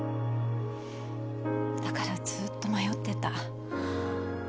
だからずっと迷ってた。